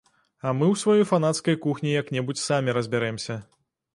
А мы ў сваёй фанацкай кухні як-небудзь самі разбярэмся.